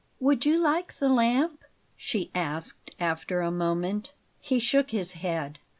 "Would you like the lamp?" she asked after a moment. He shook his head.